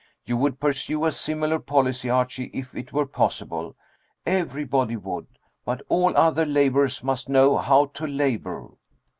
You would pursue a similar policy, Archie, if it were possible. Everybody would. But all other laborers must know how to labor."